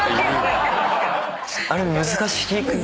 あれ難しく。